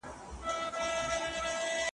زما د تورو پستو غوښو د خوړلو ,